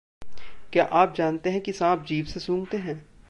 क्या आप जानते हैं कि सांप जीभ से सूंघते हैं...